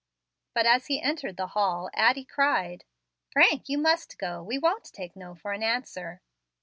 But as he entered the hall Addie cried, "Frank, you must go; we won't take no for an answer."